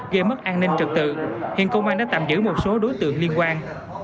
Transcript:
gây mất an ninh trật tự hiện công an đã tạm giữ một số đối tượng liên quan